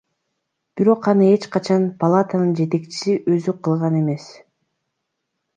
Бирок аны эч качан палатанын жетекчиси өзү кылган эмес.